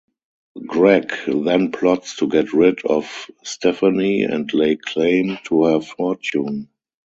Greg then plots to get rid of Stephanie and lay claim to her fortune.